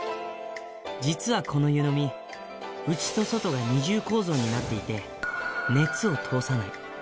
実はこの湯のみ、内と外が二重構造になっていて、熱を通さない。